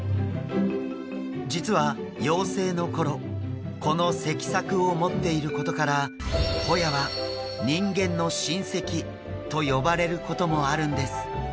実は幼生の頃この脊索を持っていることからホヤは人間の親せきと呼ばれることもあるんです。